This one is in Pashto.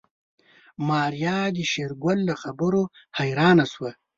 ماريا د شېرګل له خبرو حيرانه شوه.